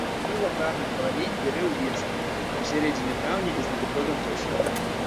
Асабліва прагна галавень бярэ ўвесну, у сярэдзіне траўня і з надыходам восені.